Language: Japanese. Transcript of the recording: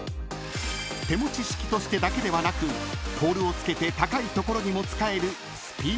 ［手持ち式としてだけではなくポールを付けて高い所にも使える］